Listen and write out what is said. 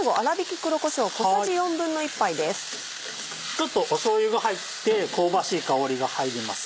ちょっとしょうゆが入って香ばしい香りが入ります。